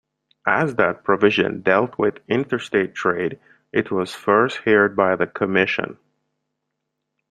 As that provision dealt with interstate trade, it was first heard by the Commission.